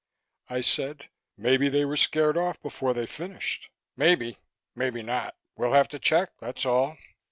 I said, "Maybe they were scared off before they finished." "Maybe. Maybe not. We'll have to check, that's all."